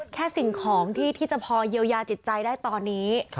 สิ่งของที่จะพอเยียวยาจิตใจได้ตอนนี้